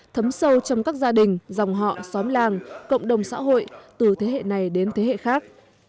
thấm sâu trong các gia đình dòng họ xóm làng cộng đồng xã hội từ thế hệ này đến thế hệ khác